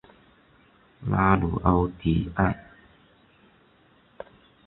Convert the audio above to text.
拉鲁奥迪埃。